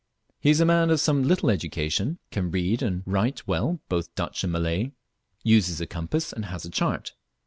He is a man of some little education, can read and write well both Dutch and Malay, uses a compass, and has a chart.